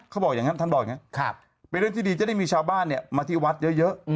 เขาบอกอย่างนั้นท่านบอกอย่างนี้เป็นเรื่องที่ดีจะได้มีชาวบ้านมาที่วัดเยอะ